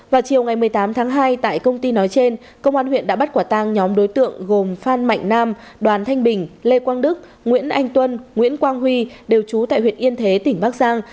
vào chiều ngày một mươi tám tháng hai tại công ty nói trên công an huyện đã bắt quả tang nhóm đối tượng gồm phan mạnh nam đoàn thanh bình lê quang đức nguyễn anh tuân nguyễn quang huy đều trú tại huyện yên thế tỉnh bắc giang